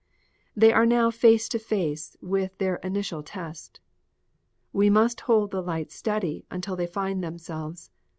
They are now face to face with their initial test. We must hold the light steady until they find themselves.